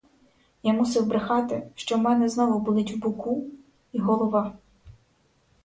Я мусив брехати, що в мене знову болить у боку й голова.